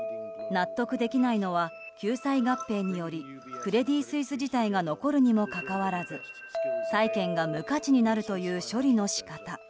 納得できないのは救済合併によりクレディ・スイス自体が残るにもかかわらず債券が無価値になるという処理の仕方。